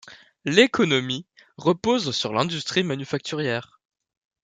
L'économie repose sur l'industrie manufacturière.